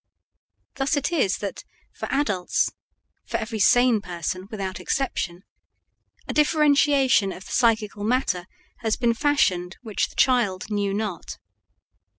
Thus it is that for adults for every sane person without exception a differentiation of the psychical matter has been fashioned which the child knew not.